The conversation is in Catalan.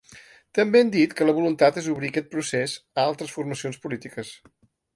També han dit que la voluntat és obrir aquest procés a altres formacions polítiques.